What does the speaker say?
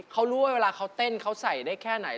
เขารู้ว่าเวลาเขาเต้นเขาใส่ได้แค่ไหน